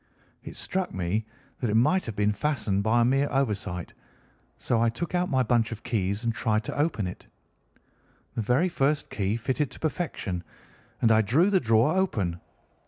It struck me that it might have been fastened by a mere oversight, so I took out my bunch of keys and tried to open it. The very first key fitted to perfection, and I drew the drawer open.